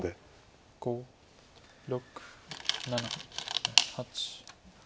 ５６７８。